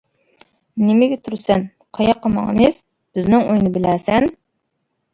-نېمىگە تۇرىسەن؟ -قاياققا ماڭىمىز؟ -بىزنىڭ ئۆينى بىلەرسەن؟ !